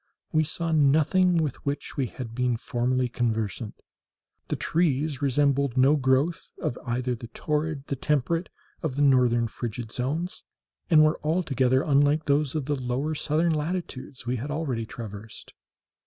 We saw nothing with which we had been formerly conversant. The trees resembled no growth of either the torrid, the temperate, or the northern frigid zones, and were altogether unlike those of the lower southern latitudes we had already traversed.